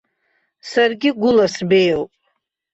Сара гәыла сбеиоуп.